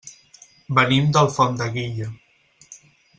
Venim d'Alfondeguilla.